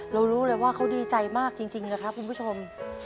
รู้เลยว่าเขาดีใจมากจริงนะครับคุณผู้ชม